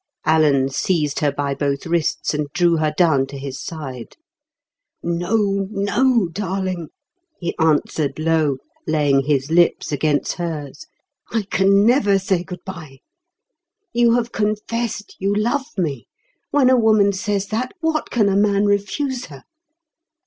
Alan seized her by both wrists, and drew her down to his side. "No, no, darling," he answered low, laying his lips against hers. "I can never say goodbye. You have confessed you love me. When a woman says that, what can a man refuse her?